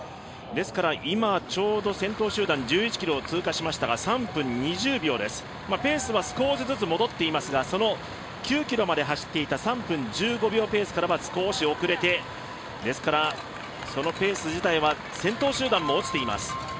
今、ちょうど先頭集団１１ｋｍを通過しましたが３分２０秒です、ペースは少しずつ戻っていますがその９ｋｍまで走っていた３分１５秒ペースからは少し遅れて、そのペース自体は先頭集団も落ちています。